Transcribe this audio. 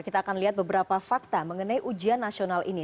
kita akan lihat beberapa fakta mengenai ujian nasional ini